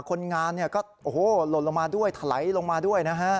คนงานก็หล่นลงมาด้วยถลายลงมาด้วยนะครับ